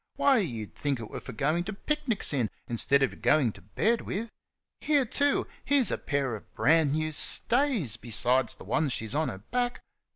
Why, you'd think 't were for goin' to picnics in, 'stead o' goin' to bed with. Here, too! here's a pair of brand new stays, besides the ones she's on her back.